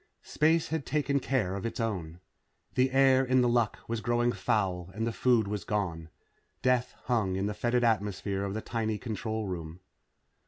Space had taken care of its own. The air in The Luck was growing foul and the food was gone. Death hung in the fetid atmosphere of the tiny control room.